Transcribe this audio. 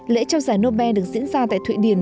lễ trao giải nobel được diễn ra tại thụy điển